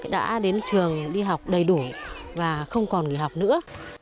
đã đến trường đi học đầy đủ và không còn nghỉ học nữa